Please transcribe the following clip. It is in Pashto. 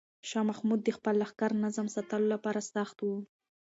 شاه محمود د خپل لښکر نظم ساتلو لپاره سخت و.